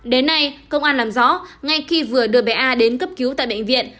đến nay công an làm rõ ngay khi vừa đưa bé a đến cấp cứu tại bệnh viện